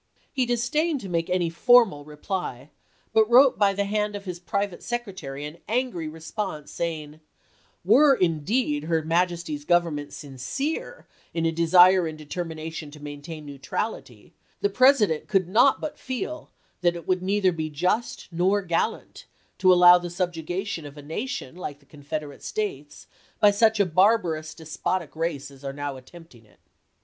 He disdained to make any formal reply, but wrote by the hand of his private Apr. e, i864. secretary an angry response, saying: "Were, in deed, her Majesty's Government sincere in a desire and determination to maintain neutrality, the President could not but feel that it would neither be just nor gallant to allow the subjugation of a nation like the Confederate States by such a bar barous, despotic race as are now attempting it."